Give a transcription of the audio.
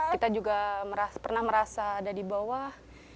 kita juga pernah merasa ada di bawah